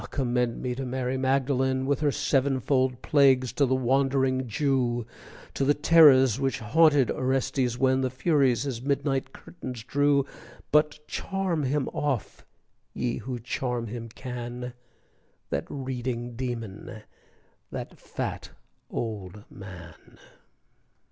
commend me to Mary Magdalen With her sevenfold plagues, to the wandering Jew, To the terrors which haunted Orestes when The furies his midnight curtains drew, But charm him off, ye who charm him can, That reading demon, that fat old man!